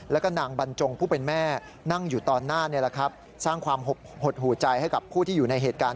แล้วก็นางบรรจงผู้เป็นแม่นั่งอยู่ตอนหน้าสร้างความหดหูใจให้กับผู้ที่อยู่ในเหตุการณ์